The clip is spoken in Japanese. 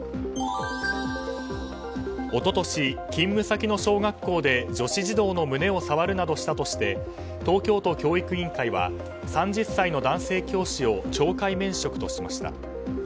一昨年、勤務先の小学校で女子児童の胸を触るなどした疑いで東京都教育委員会は３０歳の男性教師を懲戒免職としました。